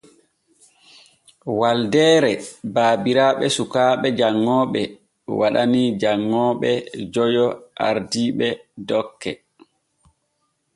Waldeere baabiraaɓe sukaaɓe janŋooɓe waɗanii janŋooɓe joyo ardiiɓe dokke.